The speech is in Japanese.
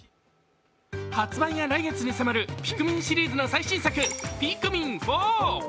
発売が来月に迫る「ピクミン」シリーズの最新作、「ピクミン４」。